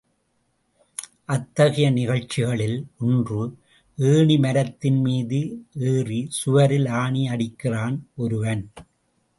அத்தகைய நிகழ்ச்சிகளில் ஒன்று— ஏணிமரத்தின் மீது ஏறி சுவரில் ஆணி அடிக்கிறான் ஒருவன்.